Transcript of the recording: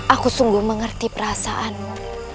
aku sungguh mengerti perasaanmu